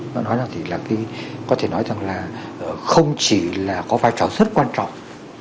bác nói là có thể nói rằng là không chỉ là có vai trò rất quan trọng